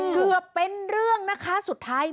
เกือบเป็นเรื่องนะคะสุดท้าย